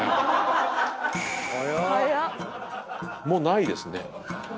もうないですね。